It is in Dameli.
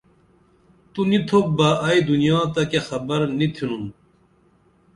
تو نی تُھوپ بہ ائی دینا تہ کیہ خبر نی تِھنُم